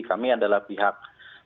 kami adalah pihak